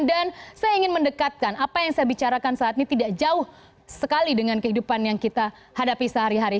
dan saya ingin mendekatkan apa yang saya bicarakan saat ini tidak jauh sekali dengan kehidupan yang kita hadapi sehari hari